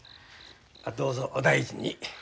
どうぞお大事に。